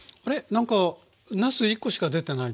なんかなす１コしか出てないですね。